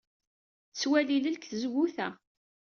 Tettwali ilel seg tzewwut-a.